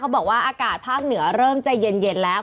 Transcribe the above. บอกว่าอากาศภาคเหนือเริ่มจะเย็นแล้ว